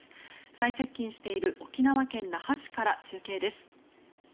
最接近している沖縄県那覇市から中継です。